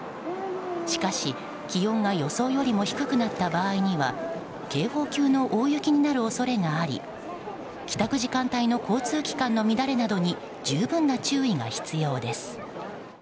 しかし、気温が予想よりも低くなった場合には警報級の大雪になる恐れがあり帰宅時間帯の交通機関の乱れなどに十分な注意が必要です。